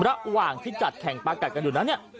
ระหว่างที่จัดแข่งปากัดกันอยู่นั้นเนี่ย